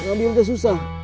ngomil gak susah